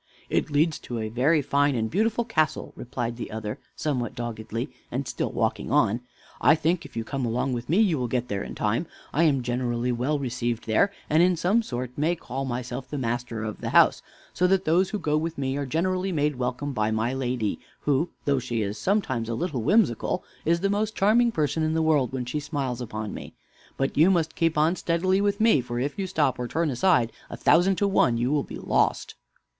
"It leads to a very fine and beautiful castle," replied the other somewhat doggedly, and still walking on. "I think, if you come along with me, you will get there in time. I am generally well received there, and in some sort may call myself the master of the house, so that those who go with me are generally made welcome by my lady, who, though she is sometimes a little whimsical, is the most charming person in the world when she smiles upon me. But you must keep on steadily with me; for if you stop or turn aside, a thousand to one you will be lost."